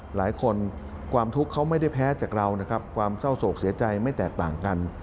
หลายคนความทุกข์เขาไม่ได้แพ้จากเรานะครับความเศร้าโศกเสียใจไม่แตกต่างกัน